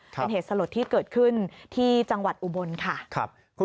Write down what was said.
เป็นเหตุสลดที่เกิดขึ้นที่จังหวัดอุบลค่ะ